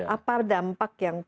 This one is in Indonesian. apa dampak yang terjadi